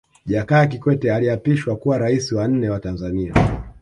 Jakaya Kikwete aliapishwa kuwa Rais wa nne wa Tanzania